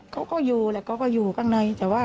ไม่ได้รับป่วยทางจิต